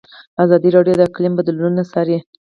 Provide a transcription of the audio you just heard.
ازادي راډیو د اقلیم بدلونونه څارلي.